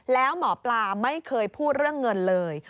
แล้วหมอปลาไม่เคยพูดเรื่องเงินเลย